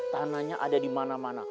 tanahnya ada dimana mana